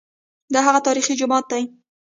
دا هغه تاریخي جومات دی.